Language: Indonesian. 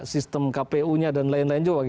sistem kpu nya dan lain lain juga